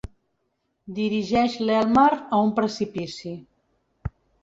Dirigeix l'Elmer a un precipici.